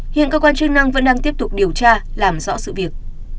hiện cơ quan chức năng vẫn đang tiếp tục điều tra làm rõ sự việc